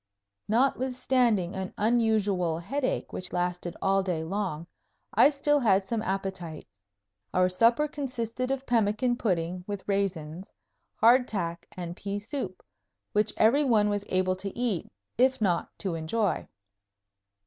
Notwithstanding an unusual headache which lasted all day long, I still had some appetite. Our supper consisted of pemmican pudding with raisins, hard tack and pea soup, which every one was able to eat, if not to enjoy.